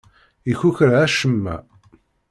Ikukra acemma.